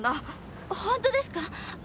ホントですか？